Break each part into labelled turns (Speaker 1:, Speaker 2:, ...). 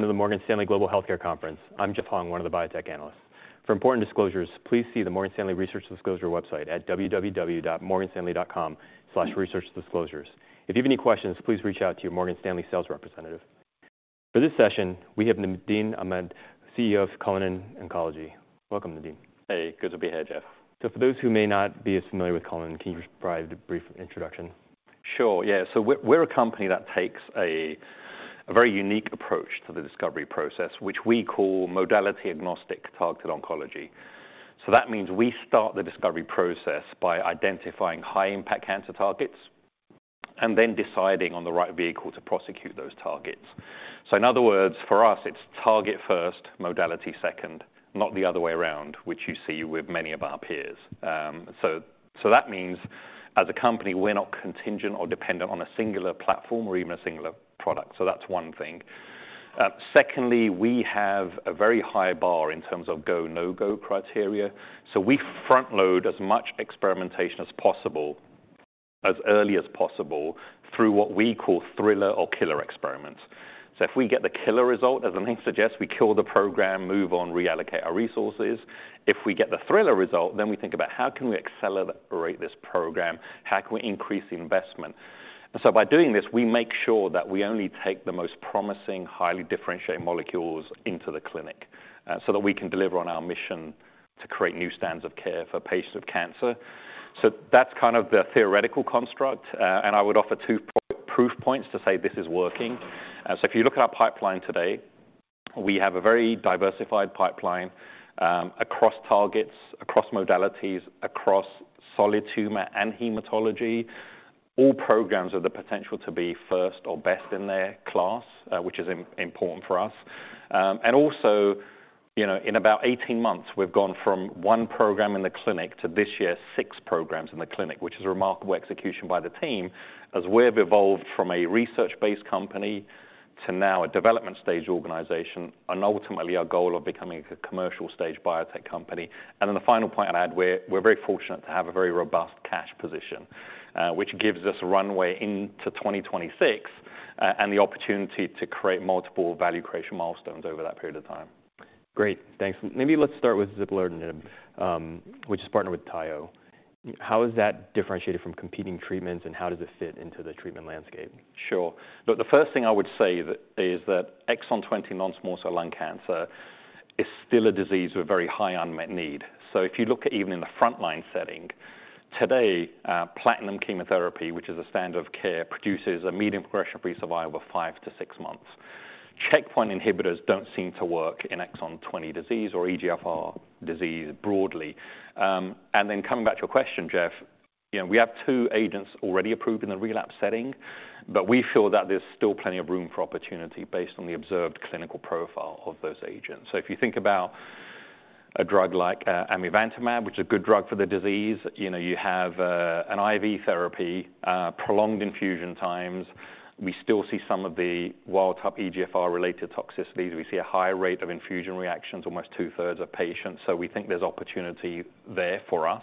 Speaker 1: Welcome to the Morgan Stanley Global Healthcare Conference. I'm Jeff Hung, one of the biotech analysts. For important disclosures, please see the Morgan Stanley Research Disclosure website at www.morganstanley.com/researchdisclosures. If you have any questions, please reach out to your Morgan Stanley sales representative. For this session, we have Nadim Ahmed, CEO of Cullinan Oncology. Welcome, Nadim.
Speaker 2: Hey, good to be here, Jeff.
Speaker 1: For those who may not be as familiar with Cullinan, can you provide a brief introduction?
Speaker 2: Sure, yeah. So we're a company that takes a very unique approach to the discovery process, which we call modality-agnostic targeted oncology. So that means we start the discovery process by identifying high-impact cancer targets and then deciding on the right vehicle to prosecute those targets. So in other words, for us, it's target first, modality second, not the other way around, which you see with many of our peers. So that means as a company, we're not contingent or dependent on a singular platform or even a singular product. So that's one thing. Secondly, we have a very high bar in terms of go, no-go criteria. So we front load as much experimentation as possible, as early as possible, through what we call thriller or killer experiments. So if we get the killer result, as the name suggests, we kill the program, move on, reallocate our resources. If we get the thriller result, then we think about how can we accelerate this program? How can we increase the investment? And so by doing this, we make sure that we only take the most promising, highly differentiated molecules into the clinic, so that we can deliver on our mission to create new standards of care for patients with cancer. So that's kind of the theoretical construct, and I would offer two proof points to say this is working. So if you look at our pipeline today, we have a very diversified pipeline, across targets, across modalities, across solid tumor and hematology. All programs have the potential to be first or best in their class, which is important for us. And also, you know, in about 18 months, we've gone from one program in the clinic to this year, six programs in the clinic, which is a remarkable execution by the team. As we have evolved from a research-based company to now a development stage organization, and ultimately, our goal of becoming a commercial stage biotech company. And then the final point I'd add, we're very fortunate to have a very robust cash position, which gives us a runway into 2026, and the opportunity to create multiple value creation milestones over that period of time.
Speaker 1: Great. Thanks. Maybe let's start with zipalertinib, which is partnered with Taiho. How is that differentiated from competing treatments, and how does it fit into the treatment landscape?
Speaker 2: Sure. Look, the first thing I would say is that exon 20 non-small cell lung cancer is still a disease with very high unmet need. So if you look at even in the frontline setting, today, platinum chemotherapy, which is a standard of care, produces a median progression-free survival of 5-6 months. Checkpoint inhibitors don't seem to work in exon 20 disease or EGFR disease broadly. And then coming back to your question, Jeff, you know, we have 2 agents already approved in the relapse setting, but we feel that there's still plenty of room for opportunity based on the observed clinical profile of those agents. So if you think about a drug like, amivantamab, which is a good drug for the disease, you know, you have, an IV therapy, prolonged infusion times. We still see some of the wild type EGFR-related toxicities. We see a high rate of infusion reactions, almost two-thirds of patients. So we think there's opportunity there for us.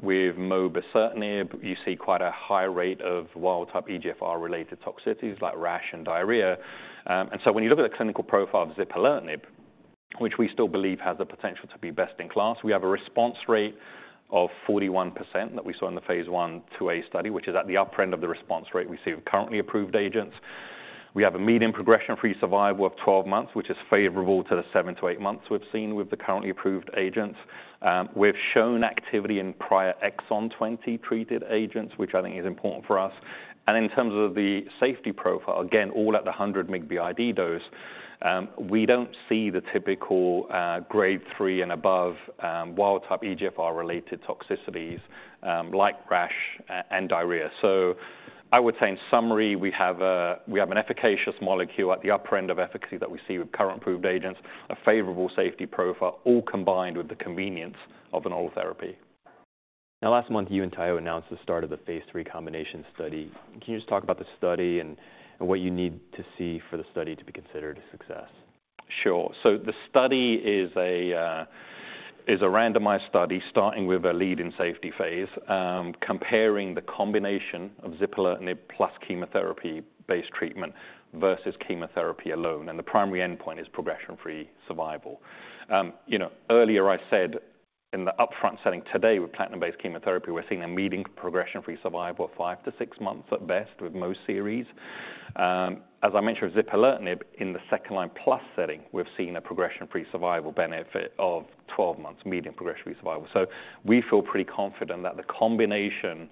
Speaker 2: With mobocertinib, you see quite a high rate of wild type EGFR-related toxicities like rash and diarrhea. And so when you look at the clinical profile of zipalertinib, which we still believe has the potential to be best in class, we have a response rate of 41% that we saw in the Phase 1/2a study, which is at the upper end of the response rate we see with currently approved agents. We have a median progression-free survival of 12 months, which is favorable to the 7-8 months we've seen with the currently approved agents. We've shown activity in prior exon 20 treated agents, which I think is important for us. In terms of the safety profile, again, all at the 100 mg BID dose, we don't see the typical, grade three and above, wild-type EGFR-related toxicities, like rash and diarrhea. So I would say in summary, we have we have an efficacious molecule at the upper end of efficacy that we see with current approved agents, a favorable safety profile, all combined with the convenience of an oral therapy.
Speaker 1: Now, last month, you and Taiho announced the start of the Phase 3 combination study. Can you just talk about the study and what you need to see for the study to be considered a success?
Speaker 2: Sure. So the study is a randomized study, starting with a lead-in safety phase, comparing the combination of zipalertinib plus chemotherapy-based treatment versus chemotherapy alone, and the primary endpoint is progression-free survival. You know, earlier I said in the upfront setting, today, with platinum-based chemotherapy, we're seeing a median progression-free survival of 5-6 months at best with most series. As I mentioned, with zipalertinib in the second-line plus setting, we've seen a progression-free survival benefit of 12 months, median progression-free survival. So we feel pretty confident that the combination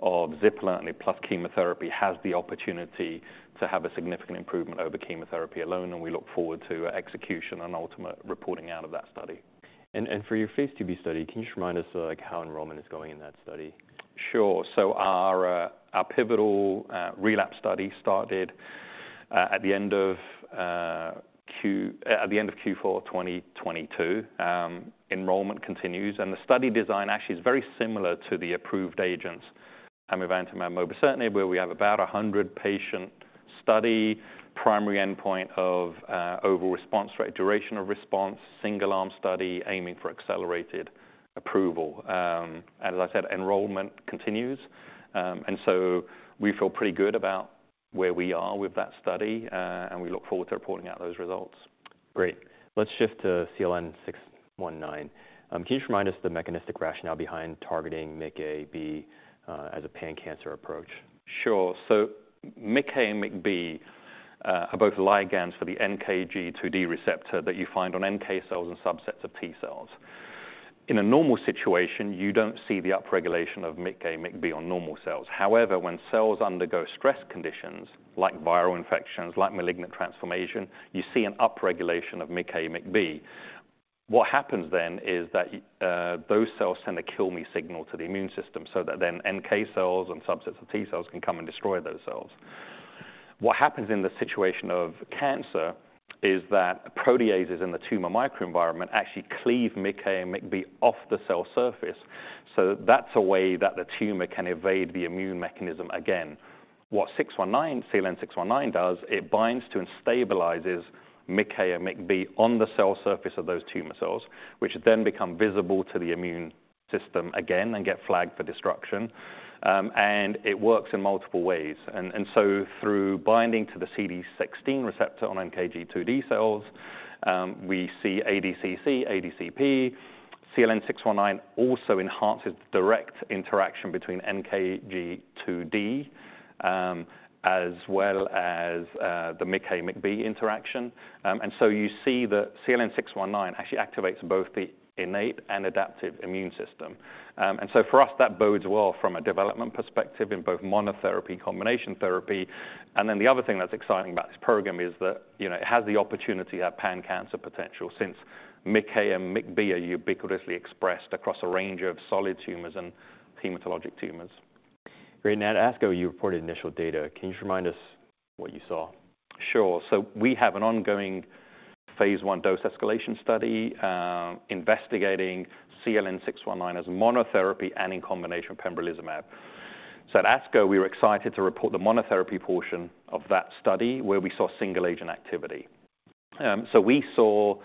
Speaker 2: of zipalertinib plus chemotherapy has the opportunity to have a significant improvement over chemotherapy alone, and we look forward to execution and ultimate reporting out of that study.
Speaker 1: For your Phase 2B study, can you just remind us of, like, how enrollment is going in that study?
Speaker 2: Sure. So our our pivotal relapse study started at the end of Q4 2022. Enrollment continues, and the study design actually is very similar to the approved agents, amivantamab, mobocertinib, where we have about a 100-patient study, primary endpoint of overall response rate, duration of response, single-arm study, aiming for accelerated approval. As I said, enrollment continues, and so we feel pretty good about where we are with that study, and we look forward to reporting out those results.
Speaker 1: Great! Let's shift to CLN-619. Can you just remind us the mechanistic rationale behind targeting MICA/MICB as a pan-cancer approach?
Speaker 2: Sure. So MIC-A and MIC-B are both ligands for the NKG2D receptor that you find on NK cells and subsets of T cells. In a normal situation, you don't see the upregulation of MICA/MICB on normal cells. However, when cells undergo stress conditions, like viral infections, like malignant transformation, you see an upregulation of MICA/MICB. What happens then is that those cells send a kill me signal to the immune system, so that then NK cells and subsets of T cells can come and destroy those cells. What happens in the situation of cancer is that proteases in the tumor microenvironment actually cleave MIC-A and MIC-B off the cell surface. So that's a way that the tumor can evade the immune mechanism again. What CLN-619 does, it binds to and stabilizes MIC-A and MIC-B on the cell surface of those tumor cells, which then become visible to the immune system again and get flagged for destruction. It works in multiple ways. Through binding to the CD16 receptor on NKG2D cells, we see ADCC, ADCP. CLN-619 also enhances direct interaction between NKG2D, as well as the MICA/MIC-B interaction. You see that CLN-619 actually activates both the innate and adaptive immune system. For us, that bodes well from a development perspective in both monotherapy, combination therapy. The other thing that's exciting about this program is that, you know, it has the opportunity to have pan-cancer potential, since MIC-A and MIC-B are ubiquitously expressed across a range of solid tumors and hematologic tumors.
Speaker 1: Great. Now, at ASCO, you reported initial data. Can you just remind us what you saw?
Speaker 2: Sure. So we have an ongoing Phase 1 dose escalation study, investigating CLN-619 as monotherapy and in combination with pembrolizumab. So at ASCO, we were excited to report the monotherapy portion of that study, where we saw single agent activity. So we saw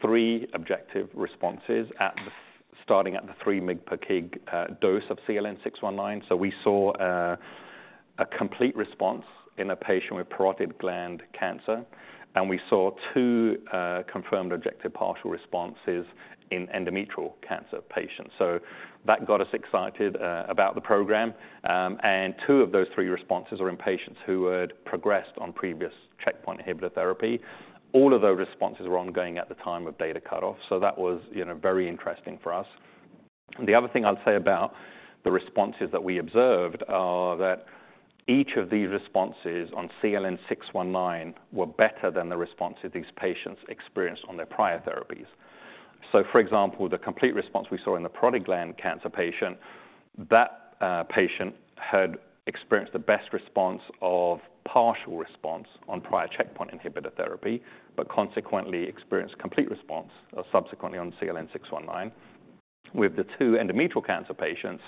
Speaker 2: three objective responses starting at the 3 mg per kg dose of CLN-619. So we saw a complete response in a patient with parotid gland cancer, and we saw two confirmed objective partial responses in endometrial cancer patients. So that got us excited about the program, and two of those three responses are in patients who had progressed on previous checkpoint inhibitor therapy. All of those responses were ongoing at the time of data cutoff, so that was, you know, very interesting for us. The other thing I'd say about the responses that we observed are that each of these responses on CLN-619 were better than the response that these patients experienced on their prior therapies. So, for example, the complete response we saw in the parotid gland cancer patient, that patient had experienced the best response of partial response on prior checkpoint inhibitor therapy, but consequently experienced complete response subsequently on CLN-619. With the 2 endometrial cancer patients,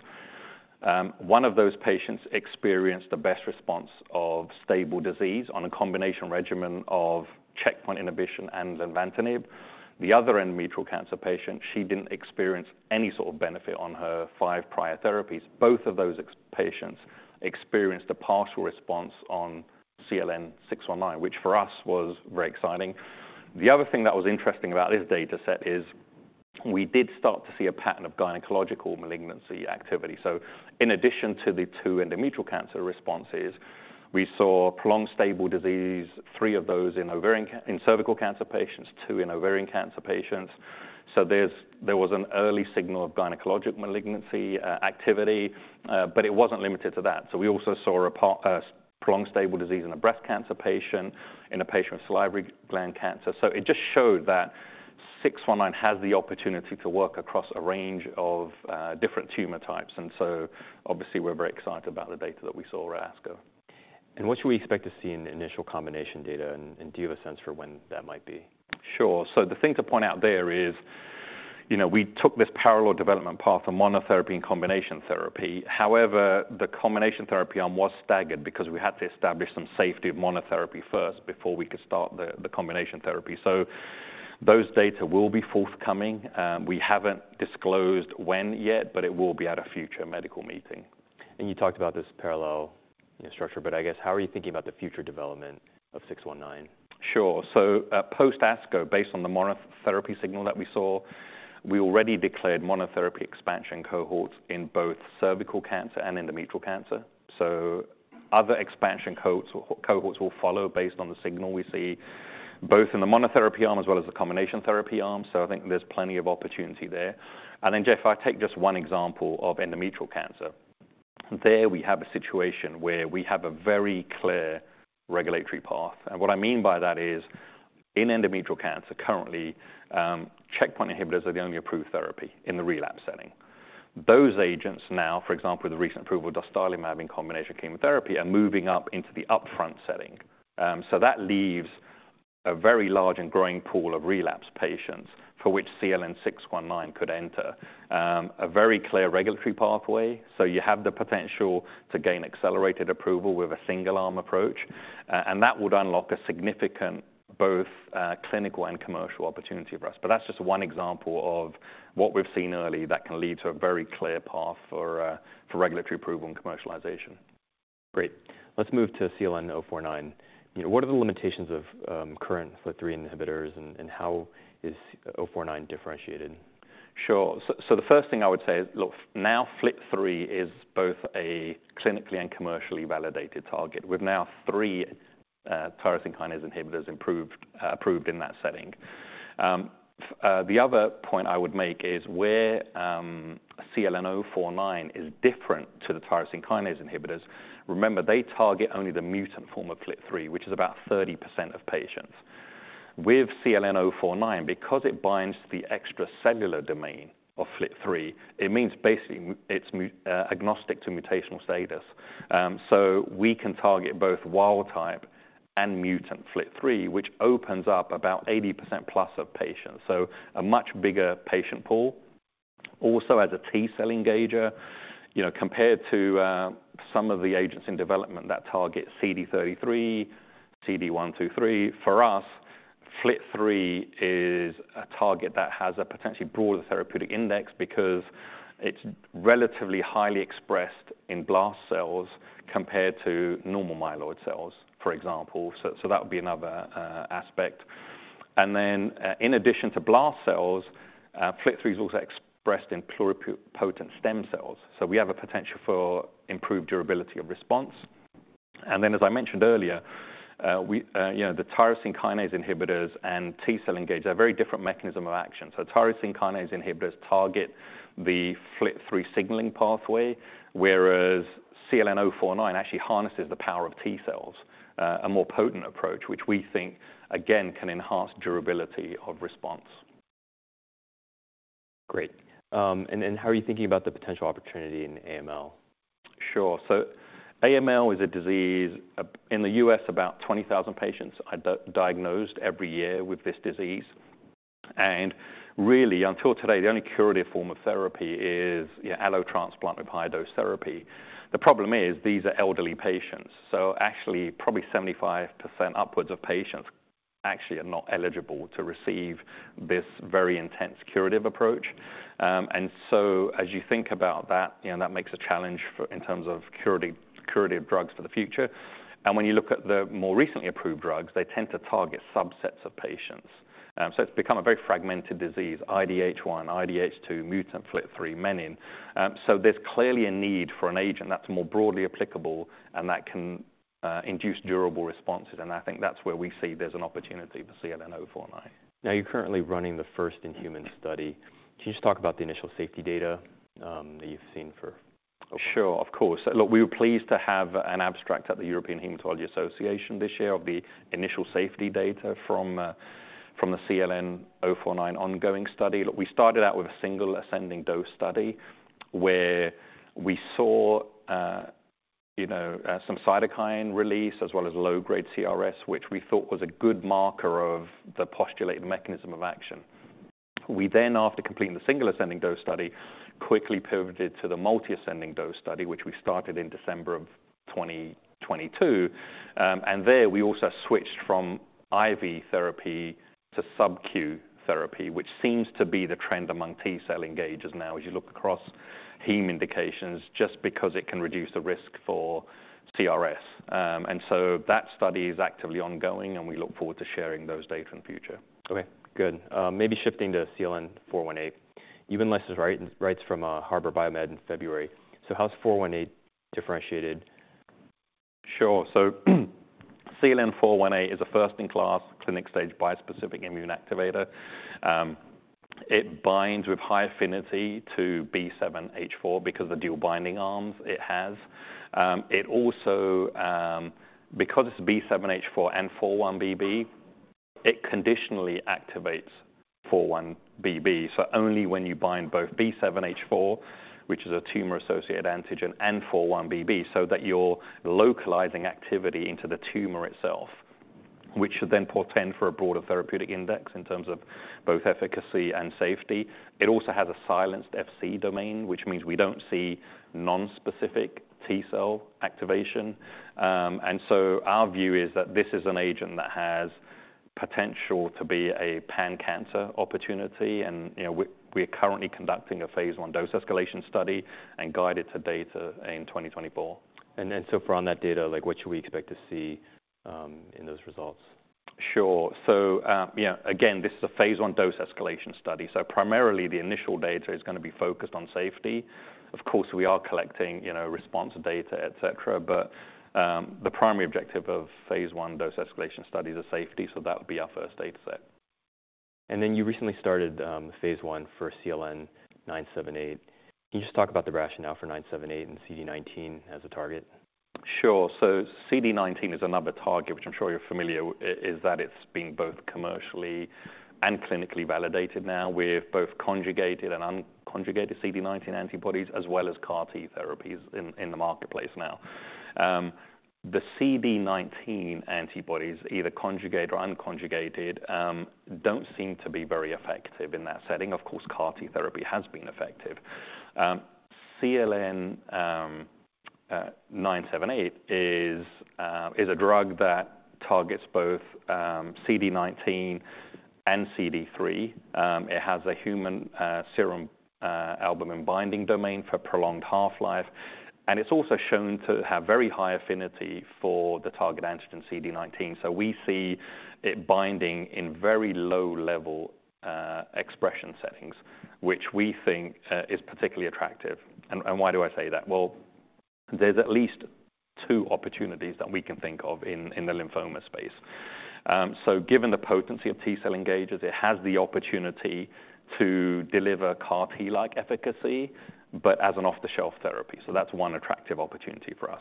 Speaker 2: one of those patients experienced the best response of stable disease on a combination regimen of checkpoint inhibition and lenvatinib. The other endometrial cancer patient, she didn't experience any sort of benefit on her 5 prior therapies. Both of those patients experienced a partial response on CLN-619, which for us was very exciting. The other thing that was interesting about this dataset is we did start to see a pattern of gynecologic malignancy activity. So in addition to the 2 endometrial cancer responses, we saw prolonged stable disease, 3 of those in ovarian, in cervical cancer patients, 2 in ovarian cancer patients. So there was an early signal of gynecologic malignancy activity, but it wasn't limited to that. So we also saw a prolonged stable disease in a breast cancer patient, in a patient with salivary gland cancer. So it just showed that 619 has the opportunity to work across a range of different tumor types. And so obviously, we're very excited about the data that we saw at ASCO.
Speaker 1: What should we expect to see in the initial combination data, and, and do you have a sense for when that might be?
Speaker 2: Sure. So the thing to point out there is, you know, we took this parallel development path for monotherapy and combination therapy. However, the combination therapy arm was staggered because we had to establish some safety of monotherapy first before we could start the combination therapy. So those data will be forthcoming, we haven't disclosed when yet, but it will be at a future medical meeting.
Speaker 1: You talked about this parallel, you know, structure, but I guess, how are you thinking about the future development of 619?
Speaker 2: Sure. So, post ASCO, based on the monotherapy signal that we saw, we already declared monotherapy expansion cohorts in both cervical cancer and endometrial cancer. So other expansion cohorts will follow based on the signal we see, both in the monotherapy arm as well as the combination therapy arm. So I think there's plenty of opportunity there. And then, Jeff, if I take just one example of endometrial cancer, there we have a situation where we have a very clear regulatory path. And what I mean by that is, in endometrial cancer, currently, checkpoint inhibitors are the only approved therapy in the relapse setting. Those agents now, for example, the recent approval of dostarlimab in combination chemotherapy, are moving up into the upfront setting. So that leaves a very large and growing pool of relapse patients for which CLN-619 could enter a very clear regulatory pathway. So you have the potential to gain accelerated approval with a single arm approach, and that would unlock a significant clinical and commercial opportunity for us. But that's just one example of what we've seen early that can lead to a very clear path for regulatory approval and commercialization.
Speaker 1: Great. Let's move to CLN-049. You know, what are the limitations of current FLT3 inhibitors, and how is 049 differentiated?
Speaker 2: Sure. So the first thing I would say is, look, now FLT3 is both a clinically and commercially validated target with now 3 tyrosine kinase inhibitors approved in that setting. The other point I would make is where CLN-049 is different to the tyrosine kinase inhibitors. Remember, they target only the mutant form of FLT3, which is about 30% of patients. With CLN-049, because it binds the extracellular domain of FLT3, it means basically it's agnostic to mutational status. So we can target both wild type and mutant FLT3, which opens up about 80%+ of patients, so a much bigger patient pool. Also, as a T cell engager, you know, compared to, some of the agents in development that target CD33, CD123, for us, FLT3 is a target that has a potentially broader therapeutic index because it's relatively highly expressed in blast cells compared to normal myeloid cells, for example. So, so that would be another, aspect. And then, in addition to blast cells, FLT3 is also expressed in pluripotent stem cells, so we have a potential for improved durability of response. And then, as I mentioned earlier, we, you know, the tyrosine kinase inhibitors and T cell engagers are very different mechanism of action. So tyrosine kinase inhibitors target the FLT3 signaling pathway, whereas CLN-049 actually harnesses the power of T cells, a more potent approach, which we think, again, can enhance durability of response.
Speaker 1: Great. And how are you thinking about the potential opportunity in AML?
Speaker 2: Sure. So AML is a disease in the US, about 20,000 patients are diagnosed every year with this disease. And really, until today, the only curative form of therapy is, you know, allograft with high-dose therapy. The problem is, these are elderly patients, so actually, probably 75% upwards of patients actually are not eligible to receive this very intense curative approach. And so as you think about that, you know, that makes a challenge in terms of curative drugs for the future. And when you look at the more recently approved drugs, they tend to target subsets of patients. So it's become a very fragmented disease, IDH1, IDH2, mutant FLT3, menin. So there's clearly a need for an agent that's more broadly applicable and that can induce durable responses, and I think that's where we see there's an opportunity for CLN-049.
Speaker 1: Now, you're currently running the first-in-human study. Can you just talk about the initial safety data, that you've seen for-?
Speaker 2: Sure, of course. Look, we were pleased to have an abstract at the European Hematology Association this year of the initial safety data from the CLN-049 ongoing study. Look, we started out with a single ascending dose study, where we saw, you know, some cytokine release, as well as low-grade CRS, which we thought was a good marker of the postulated mechanism of action. We then, after completing the single ascending dose study, quickly pivoted to the multi-ascending dose study, which we started in December 2022. And there, we also switched from IV therapy to sub-Q therapy, which seems to be the trend among T cell engagers now, as you look across heme indications, just because it can reduce the risk for CRS. So that study is actively ongoing, and we look forward to sharing those data in the future.
Speaker 1: Okay, good. Maybe shifting to CLN-418. You've licensed rights from Harbour BioMed in February. So how's 418 differentiated?
Speaker 2: Sure. So, CLN-418 is a first-in-class clinical-stage bispecific immune activator. It binds with high affinity to B7H4 because the dual binding arms it has. It also, because it's B7H4 and 4-1BB, it conditionally activates 4-1BB. So only when you bind both B7H4, which is a tumor-associated antigen, and 4-1BB, so that you're localizing activity into the tumor itself, which should then portend for a broader therapeutic index in terms of both efficacy and safety. It also has a silenced Fc domain, which means we don't see non-specific T cell activation. And so our view is that this is an agent that has potential to be a pan-cancer opportunity, and, you know, we are currently conducting a Phase 1 dose-escalation study and guide it to data in 2024.
Speaker 1: So far on that data, like, what should we expect to see in those results?
Speaker 2: Sure. So, yeah, again, this is a Phase 1 dose-escalation study, so primarily, the initial data is gonna be focused on safety. Of course, we are collecting, you know, response data, et cetera, but, the primary objective of Phase 1 dose-escalation study is the safety, so that would be our first data set.
Speaker 1: You recently started Phase 1 for CLN-978. Can you just talk about the rationale for 978 and CD19 as a target?
Speaker 2: Sure. So CD19 is another target, which I'm sure you're familiar with, is that it's been both commercially and clinically validated now with both conjugated and unconjugated CD19 antibodies, as well as CAR T therapies in the marketplace now. The CD19 antibodies, either conjugated or unconjugated, don't seem to be very effective in that setting. Of course, CAR T therapy has been effective. CLN-978 is a drug that targets both CD19 and CD3. It has a human serum albumin binding domain for prolonged half-life, and it's also shown to have very high affinity for the target antigen CD19. So we see it binding in very low level expression settings, which we think is particularly attractive. And why do I say that? Well, there's at least two opportunities that we can think of in the lymphoma space. So given the potency of T-cell engagers, it has the opportunity to deliver CAR T-like efficacy, but as an off-the-shelf therapy. So that's one attractive opportunity for us.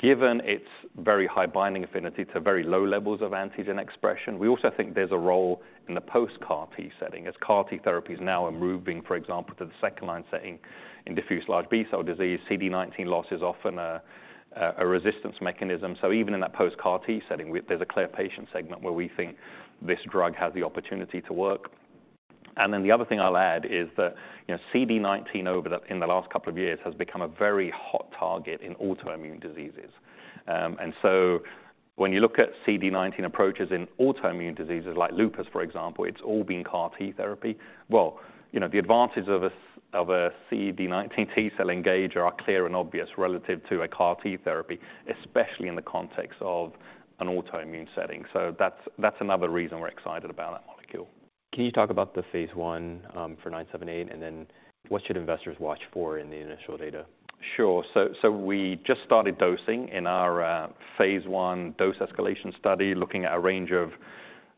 Speaker 2: Given its very high binding affinity to very low levels of antigen expression, we also think there's a role in the post-CAR T setting, as CAR T therapy is now moving, for example, to the second-line setting in diffuse large B-cell disease. CD19 loss is often a resistance mechanism. So even in that post-CAR T setting, there's a clear patient segment where we think this drug has the opportunity to work. And then the other thing I'll add is that, you know, CD19 in the last couple of years has become a very hot target in autoimmune diseases. And so when you look at CD19 approaches in autoimmune diseases like lupus, for example, it's all been CAR T therapy. Well, you know, the advantages of a CD19 T-cell engager are clear and obvious relative to a CAR T therapy, especially in the context of an autoimmune setting. So that's another reason we're excited about that molecule.
Speaker 1: Can you talk about the Phase 1 for CLN-978, and then what should investors watch for in the initial data?
Speaker 2: Sure. So we just started dosing in our Phase 1 dose escalation study, looking at a range of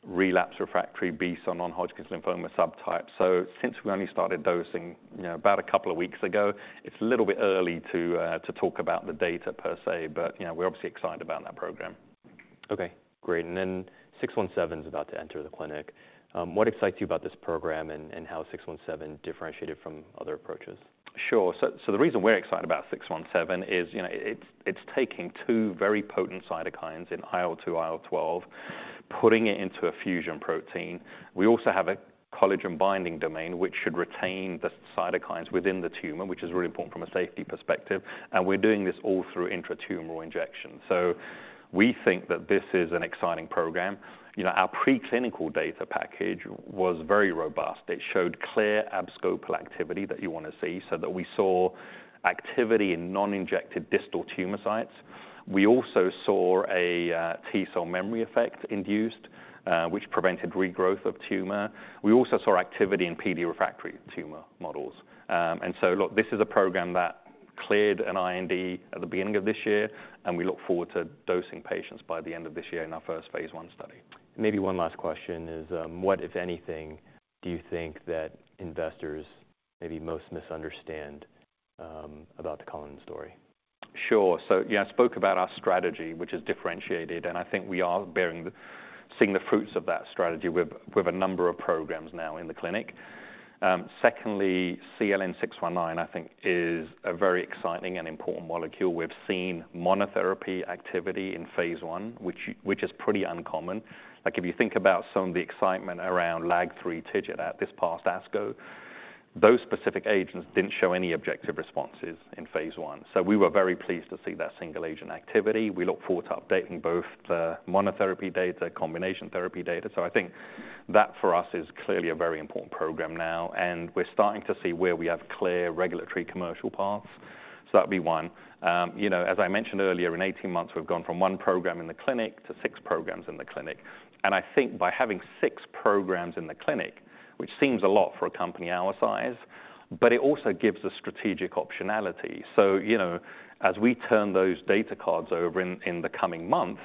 Speaker 2: relapsed refractory B-cell or non-Hodgkin's lymphoma subtypes. So since we only started dosing, you know, about a couple of weeks ago, it's a little bit early to talk about the data per se, but, you know, we're obviously excited about that program.
Speaker 1: Okay, great. And then CLN-617 is about to enter the clinic. What excites you about this program, and how is CLN-617 differentiated from other approaches?
Speaker 2: Sure. So, the reason we're excited about CLN-617 is, you know, it's taking 2 very potent cytokines in IL-2, IL-12, putting it into a fusion protein. We also have a collagen binding domain, which should retain the cytokines within the tumor, which is really important from a safety perspective, and we're doing this all through intra-tumoral injection. So we think that this is an exciting program. You know, our preclinical data package was very robust. It showed clear abscopal activity that you want to see, so that we saw activity in non-injected distal tumor sites. We also saw a T-cell memory effect induced, which prevented regrowth of tumor. We also saw activity in PD refractory tumor models. And so look, this is a program that cleared an IND at the beginning of this year, and we look forward to dosing patients by the end of this year in our first Phase 1 study.
Speaker 1: Maybe one last question is, what, if anything, do you think that investors maybe most misunderstand, about the Cullinan story?
Speaker 2: Sure. So, yeah, I spoke about our strategy, which is differentiated, and I think we are seeing the fruits of that strategy with a number of programs now in the clinic. Secondly, CLN-619, I think, is a very exciting and important molecule. We've seen monotherapy activity in Phase 1, which is pretty uncommon. Like, if you think about some of the excitement around LAG-3 TIGIT at this past ASCO, those specific agents didn't show any objective responses in Phase 1. So we were very pleased to see that single agent activity. We look forward to updating both the monotherapy data, combination therapy data. So I think that, for us, is clearly a very important program now, and we're starting to see where we have clear regulatory commercial paths. So that'd be one. You know, as I mentioned earlier, in 18 months, we've gone from 1 program in the clinic to 6 programs in the clinic. I think by having 6 programs in the clinic, which seems a lot for a company our size, but it also gives us strategic optionality. You know, as we turn those data cards over in the coming months,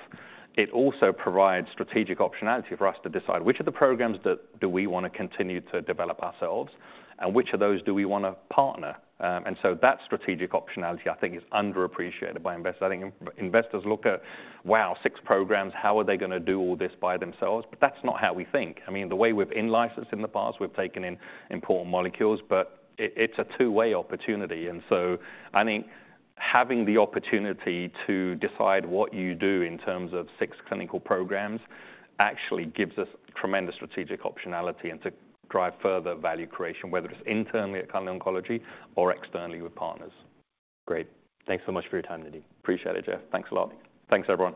Speaker 2: it also provides strategic optionality for us to decide which of the programs that do we want to continue to develop ourselves and which of those do we want to partner. And so that strategic optionality, I think, is underappreciated by investors. I think investors look at, "Wow, 6 programs, how are they going to do all this by themselves?" But that's not how we think. I mean, the way we've in-licensed in the past, we've taken in important molecules, but it, it's a two-way opportunity. And so I think having the opportunity to decide what you do in terms of six clinical programs actually gives us tremendous strategic optionality and to drive further value creation, whether it's internally at Cullinan Oncology or externally with partners.
Speaker 1: Great. Thanks so much for your time, Nadim.
Speaker 2: Appreciate it, Jeff. Thanks a lot. Thanks, everyone.